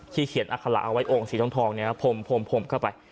ที่เขียนอาคาระเอาไว้โอ่งสีท้องนี้นะครับพมเข้าไป